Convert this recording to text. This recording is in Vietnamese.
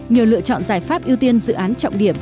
nhờ lựa chọn giải pháp ưu tiên dự án trọng điểm